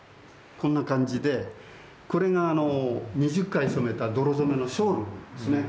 こんな感じでこれが２０回染めた泥染めのショールですね。